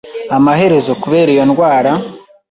Amaherezo, kubera iyo ndwara,